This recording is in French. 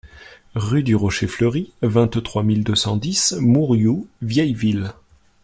Rue du Rocher Fleuri, vingt-trois mille deux cent dix Mourioux-Vieilleville